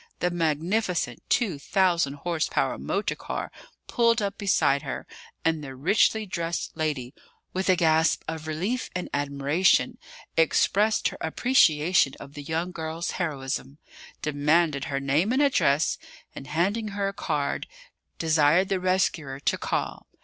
The magnificent 2,000 h.p. motor car pulled up beside her, and the richly dressed lady, with a gasp of relief and admiration, expressed her appreciation of the young girl's heroism, demanded her name and address, and, handing her a card, desired the rescuer to call.